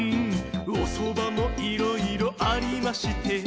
おそばもいろいろありまして』」